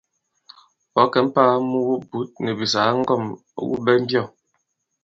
Ɔ̌ kɛ̀ i mpāa mu wubǔt nì bìsàgà bi ŋgɔ᷇m wû ɓɛ mbyɔ̂?